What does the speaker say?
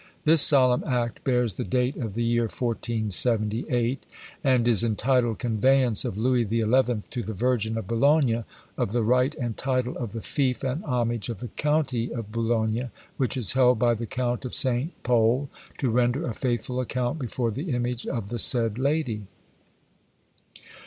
This solemn act bears the date of the year 1478, and is entitled, "Conveyance of Louis the Eleventh to the Virgin of Boulogne, of the right and title of the fief and homage of the county of Boulogne, which is held by the Count of Saint Pol, to render a faithful account before the image of the said lady."